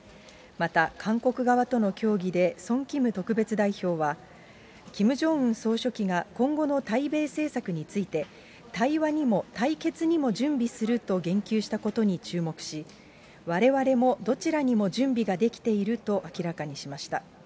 また、韓国側との協議でソン・キム特別代表は、キム・ジョンウン総書記が今後の対米政策について、対話にも対決にも準備すると言及したことに注目し、われわれもどちらにも準備ができていると明らかにしました。